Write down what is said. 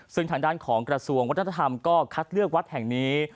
ซึ่งทางด้านของกระทรวงวัฒนธรรมก็คัดเลือกวัดแห่งนี้